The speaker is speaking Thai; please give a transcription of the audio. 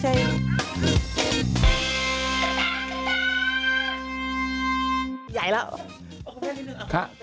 ใหญ่แล้ว